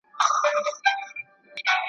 ماته مه وایه چي نه یې پوهېدلی `